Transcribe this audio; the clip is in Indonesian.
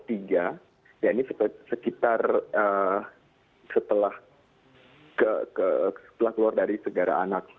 ya ini sekitar setelah keluar dari segara anak